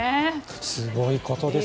すごいことです。